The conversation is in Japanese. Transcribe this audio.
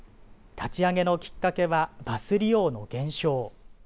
立ち上げのきっかけはバス利用の減少。